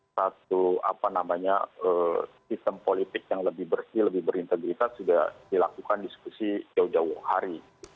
satu apa namanya sistem politik yang lebih bersih lebih berintegritas sudah dilakukan diskusi jauh jauh hari